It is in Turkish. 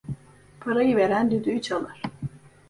Parayı veren düdüğü çalar.